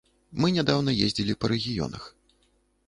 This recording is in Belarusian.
Мы нядаўна ездзілі па рэгіёнах.